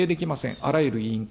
あらゆる委員会。